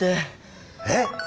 えっ